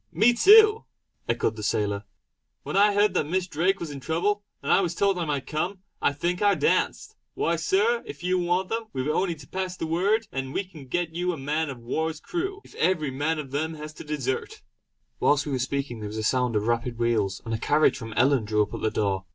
"Me too!" echoed the sailor "When I heard that Miss Drake was in trouble, and I was told I might come, I think I danced. Why, Sir, if you want them, we've only to pass the word, and we can get you a man of war's crew if every man of them has to desert!" Whilst we were speaking there was a sound of rapid wheels, and a carriage from Ellon drew up at the door.